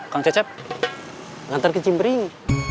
kang cecep nantar ke jimbering